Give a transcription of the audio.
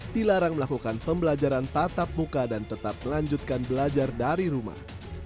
dilarang melakukan pembelajaran tatap muka dan tetap melanjutkan belajar dari rumah